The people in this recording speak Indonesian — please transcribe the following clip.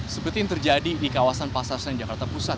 seperti yang terjadi di kawasan pasar senjakarta pusat